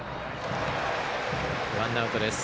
ワンアウトです。